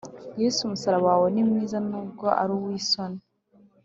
Yesu umusaraba wawe nimwiza nubwo ari uw’isoni